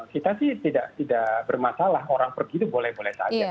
kita sih tidak bermasalah orang pergi itu boleh boleh saja